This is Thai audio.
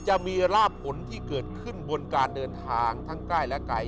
จะมีราบผลที่เกิดขึ้นบนการเดินทางทั้งใกล้และไกล